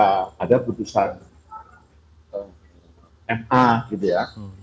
ada putusan ma gitu ya